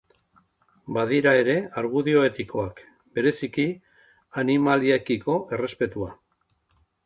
Badira ere argudio etikoak, bereziki animaliekiko errespetua.